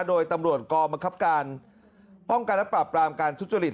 โดยตำรวจกรมาครับการป้องกันและปรับรามการทุจจุลิต